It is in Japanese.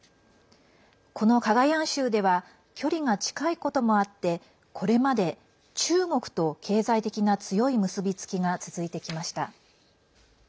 このカガヤン州では距離が近いこともあってこれまで中国と、経済的な強い結び付きが続いてきました。